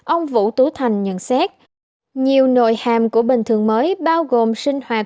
ông vũ tú thành nhận xét nhiều nội hàm của bình thường mới bao gồm sinh hoạt